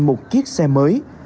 một chiếc xe mới